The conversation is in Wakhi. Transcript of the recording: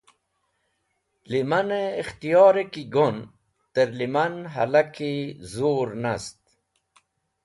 Lẽmanẽ ikhtiyorẽ ki gon tẽrlẽman hẽlaki zur nast